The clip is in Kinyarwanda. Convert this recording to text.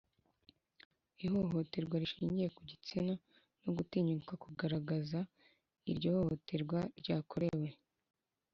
Ihohoterwa rishingiye ku gitsina no gutinyuka kugaragaza aho iryo hohoterwa ryakorewe